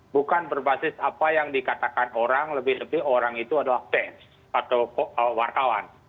bukan berbasis apa yang dikatakan orang lebih lebih orang itu adalah fans atau wartawan